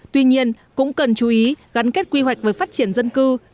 tuy nhiên cũng cần chú ý gắn kết quy hoạch với phát triển dân cư